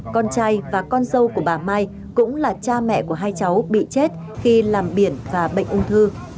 con trai và con dâu của bà mai cũng là cha mẹ của hai cháu bị chết khi làm biển và bệnh ung thư